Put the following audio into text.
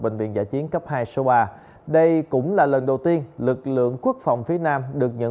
bệnh viện giã chiến cấp hai số ba đây cũng là lần đầu tiên lực lượng quốc phòng phía nam được nhận